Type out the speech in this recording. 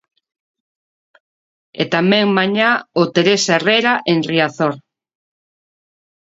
E tamén mañá o Teresa Herrera en Riazor.